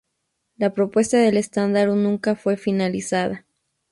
La propuesta del estándar nunca fue finalizada.